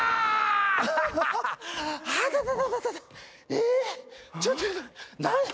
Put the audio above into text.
えっ？